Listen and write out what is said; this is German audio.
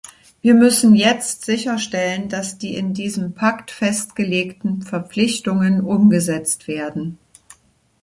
Wir müssen jetzt sicherstellen, dass die in diesem Pakt festgelegten Verpflichtungen umgesetzt werden.